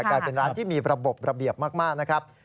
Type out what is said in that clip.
กลายเป็นร้านที่มีระบบระเบียบมากนะครับ